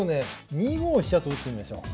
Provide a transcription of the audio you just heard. ２五飛車と打ってみましょう。